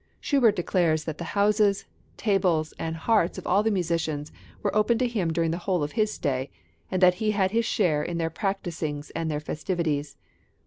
Schubart declares that the houses, tables, and hearts of all the musicians were open to him during the whole of his stay, and that he had his share in their practisings and their festivities.